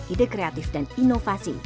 ide kreatif dan inovasi